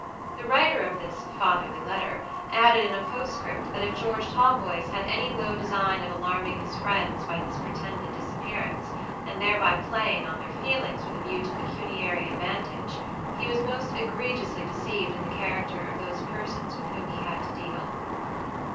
The writer of this fatherly letter added in a postscript that if George Talboys had any low design of alarming his friends by this pretended disappearance, and thereby playing on their feelings with a view to pecuniary advantage, he was most egregiously deceived in the character of those persons with whom he had to deal.